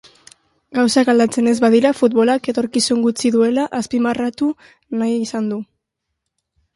Gauzak aldatzen ez badira futbolak etorkizun gutxi duela azpimarratu nahi izan du.